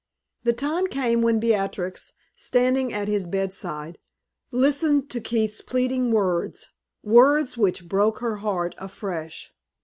The time came when Beatrix, standing at his bedside, listened to Keith's pleading words words which broke her heart afresh.